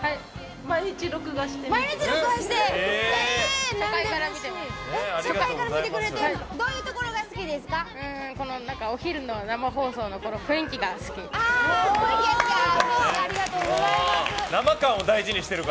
毎日録画して見てます。